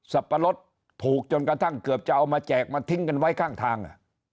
ปะรดผูกจนกระทั่งเกือบจะเอามาแจกมาทิ้งกันไว้ข้างทาง